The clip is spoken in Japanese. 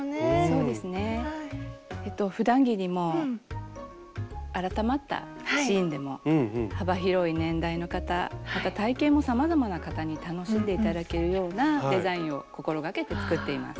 そうですねふだん着にも改まったシーンでも幅広い年代の方また体型もさまざまな方に楽しんで頂けるようなデザインを心がけて作っています。